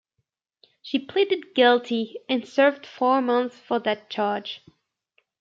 She pleaded guilty and served four months for that charge.